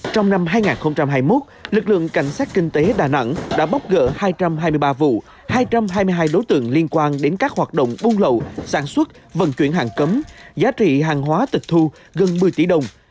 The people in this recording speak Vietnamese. trong năm hai nghìn hai mươi một lực lượng cảnh sát kinh tế đà nẵng đã bóc gỡ hai trăm hai mươi ba vụ hai trăm hai mươi hai đối tượng liên quan đến các hoạt động buôn lậu sản xuất vận chuyển hàng cấm giá trị hàng hóa tịch thu gần một mươi tỷ đồng